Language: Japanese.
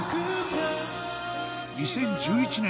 ２０１１年